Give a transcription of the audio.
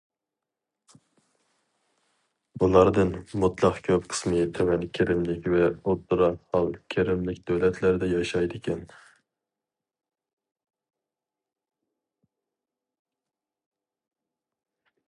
بۇلاردىن مۇتلەق كۆپ قىسمى تۆۋەن كىرىملىك ۋە ئوتتۇرا ھال كىرىملىك دۆلەتلەردە ياشايدىكەن.